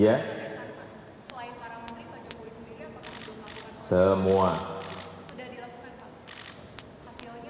juga sudah melakukan perkembangan